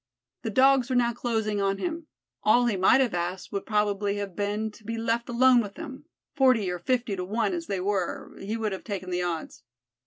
The Dogs were now closing on him. All he might have asked would probably have been to be left alone with them forty or fifty to one as they were he would have taken the odds.